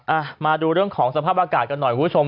มาดูเรื่องของสภาพอากาศกันหน่อยคุณผู้ชม